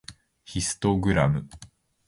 ヒストグラム